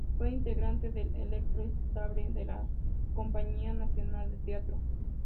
Fue integrante del Elenco Estable de la Compañía Nacional de Teatro.